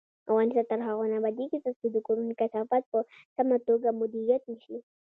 افغانستان تر هغو نه ابادیږي، ترڅو د کورونو کثافات په سمه توګه مدیریت نشي.